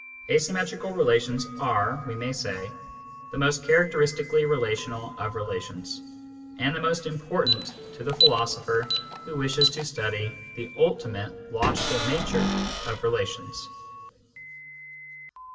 Asymmetrical relations are, we may Kinds of Relations 45 say, the most characteristically relational of relations, and the most important to the philosopher who wishes to study the ultimate logical nature of relations.